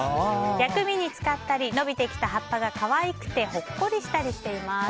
薬味に使ったり伸びてきた葉っぱが可愛くてほっこりしたりしています。